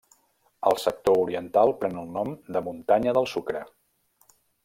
El sector oriental pren el nom de Muntanya del Sucre.